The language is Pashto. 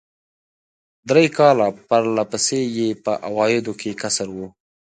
درې کاله پر له پسې یې په عوایدو کې کسر و.